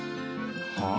はあ？